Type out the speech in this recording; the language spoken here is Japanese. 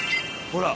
ほら。